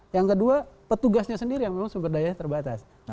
yang kedua petugasnya sendiri yang memang sumber daya terbatas